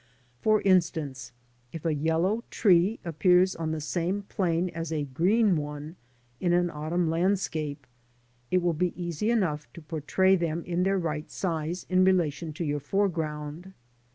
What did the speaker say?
For instance, if a yellow tree appears on the same plane as a green one in an autumn landscape, it will be easy enough to portray them in their right size in relation to your foreground.